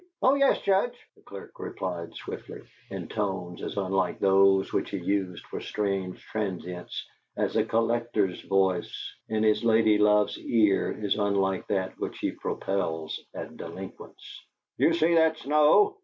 "Oh yes, Judge," the clerk replied, swiftly, in tones as unlike those which he used for strange transients as a collector's voice in his ladylove's ear is unlike that which he propels at delinquents. "Do you see that snow?"